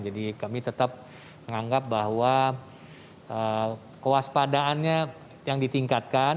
jadi kami tetap menganggap bahwa kewaspadaannya yang ditingkatkan